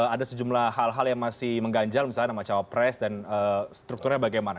ada sejumlah hal hal yang masih mengganjal misalnya nama cawapres dan strukturnya bagaimana